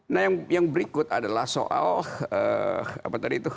nah yang berikut adalah soal apa tadi itu